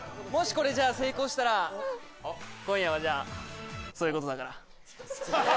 もしこれが成功したら、今夜はじゃあ、どういうこと？